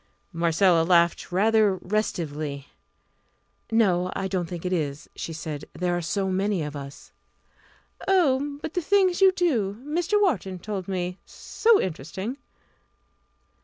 Marcella laughed rather restively. "No, I don't think it is," she said; "there are so many of us." "Oh, but the things you do Mr. Wharton told me so interesting!"